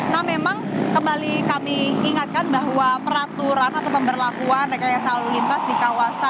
nah memang kembali kami ingatkan bahwa peraturan atau pemberlakuan reka saulitas di kawasan simpang gadog bogor jawa barat menuju ke jalur puncak ini bersifat situasional